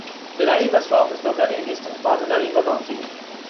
The Nariva Swamp is located in the eastern part of Nariva County.